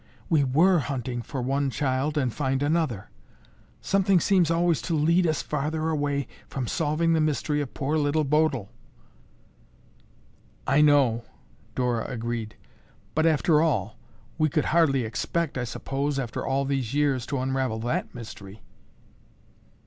We were hunting for one child and find another. Something seems always to lead us farther away from solving the mystery of poor Little Bodil." "I know," Dora agreed, "but after all, we could hardly expect, I suppose, after all these years, to unravel that mystery."